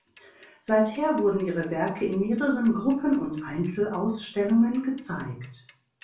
Seither wurden ihre Werke in mehreren Gruppen- und Einzelausstellungen gezeigt.